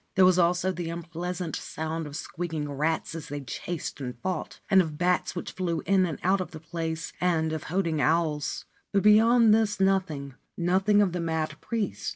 There was also the unpleasant sound of squeaking rats as they chased and fought, and of bats which flew in and out of the place, and of hooting owls ; but beyond this nothing — nothing of the mad priest.